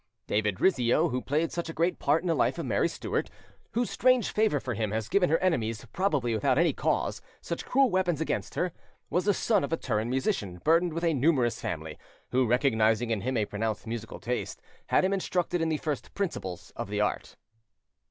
David Rizzio, who played such a great part in the life of Mary Stuart, whose strange favour for him has given her enemies, probably without any cause, such cruel weapons against her, was the son of a Turin musician burdened with a numerous family, who, recognising in him a pronounced musical taste, had him instructed in the first principles of the art.